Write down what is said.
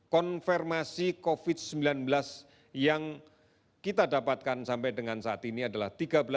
konfirmasi covid sembilan belas yang kita dapatkan sampai dengan saat ini adalah tiga belas